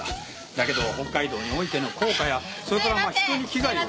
だけど北海道においての効果やそれから人に危害を。